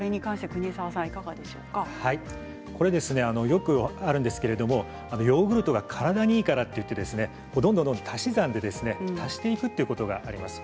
よくあるんですけれどヨーグルトは体にいいからといってどんどん足し算で足していくということがあります。